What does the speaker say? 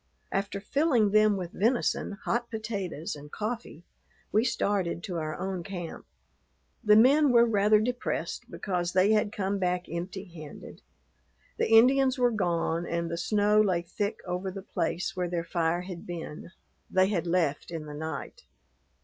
After filling them with venison, hot potatoes, and coffee, we started to our own camp. The men were rather depressed because they had come back empty handed. The Indians were gone and the snow lay thick over the place where their fire had been; they had left in the night.